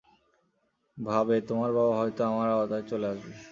ভাবে, তোমার বাবা হয়তো আমার আওতায় চলে আসবে।